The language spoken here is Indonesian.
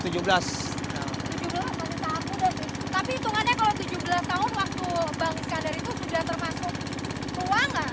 tapi hitungannya kalau tujuh belas tahun waktu bang iskandar itu sudah termasuk tua nggak